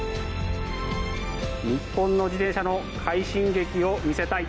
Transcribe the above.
日本の自転車の快進撃を見せたい。